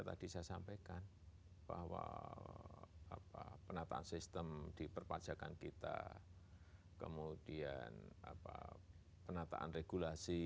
tadi saya sampaikan bahwa penataan sistem di perpajakan kita kemudian penataan regulasi